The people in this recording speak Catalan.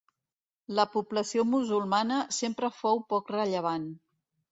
La població musulmana sempre fou poc rellevant.